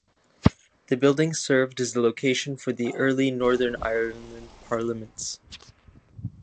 The building served as the location for the early Northern Ireland Parliaments.